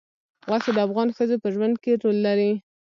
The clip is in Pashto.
غوښې د افغان ښځو په ژوند کې رول لري.